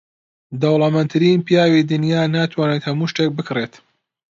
دەوڵەمەندترین پیاوی دنیا ناتوانێت هەموو شتێک بکڕێت.